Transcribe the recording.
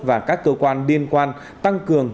và các cơ quan liên quan tăng cường